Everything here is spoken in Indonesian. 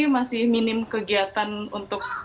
masih minim kegiatan untuk